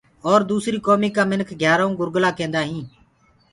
اور دوسريٚ ڪوميٚ ڪآ مِنک گھيآرآئون گرگلآ ڪيندآئين۔